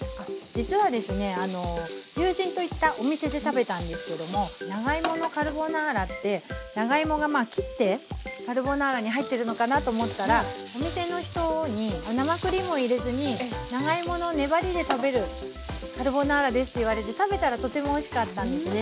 実はですね友人と行ったお店で食べたんですけども長芋のカルボナーラって長芋がまあ切ってカルボナーラに入ってるのかなと思ったらお店の人に生クリームを入れずに長芋の粘りで食べるカルボナーラですって言われて食べたらとてもおいしかったんですね。